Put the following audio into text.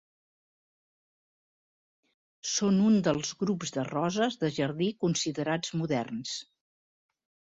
Són un dels grups de roses de jardí considerats moderns.